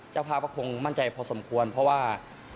เจ้าภาพก็คงมั่นใจพอสมควรเพราะว่า